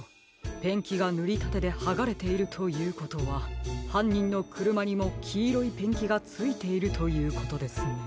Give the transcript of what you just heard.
ペンキがぬりたてではがれているということははんにんのくるまにもきいろいペンキがついているということですね。